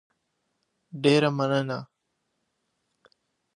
احمدشاه بابا د ژوند د مبارزې ژوند و.